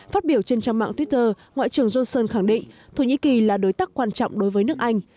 phát biểu trên trang mạng twitter ngoại trưởng johnson khẳng định thổ nhĩ kỳ là đối tác quan trọng đối với nước anh